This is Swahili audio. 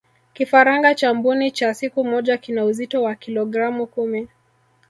kifaranga cha mbuni cha siku moja kina uzito wa kilogramu kumi